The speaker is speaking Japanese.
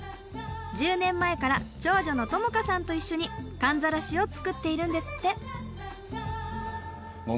１０年前から長女の孝佳さんと一緒にかんざらしを作っているんですって。